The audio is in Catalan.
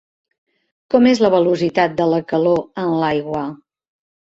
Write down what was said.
Com és la velocitat de la calor en l'aigua?